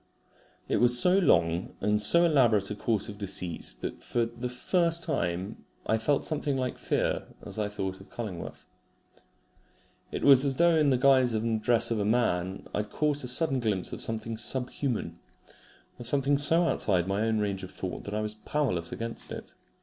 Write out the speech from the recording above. It was so long and so elaborate a course of deceit, that I for the first time felt something like fear as I thought of Cullingworth. It was as though in the guise and dress of a man I had caught a sudden glimpse of something sub human of something so outside my own range of thought that I was powerless against it.